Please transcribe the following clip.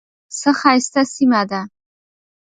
څه ښایسته سیمه ده .